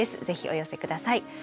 ぜひお寄せ下さい。